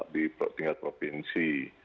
di tingkat provinsi